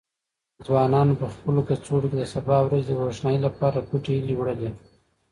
ځوانانو په خپلو کڅوړو کې د سبا ورځې د روښنايي لپاره پټې هیلې وړلې.